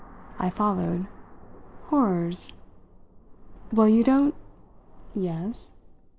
I followed. "Horrors?" "Well, you don't " "Yes